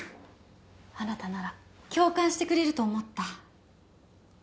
あなたなら共感してくれると思った。